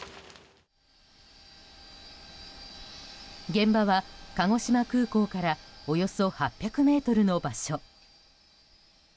現場は鹿児島空港からおよそ８００ｍの場所。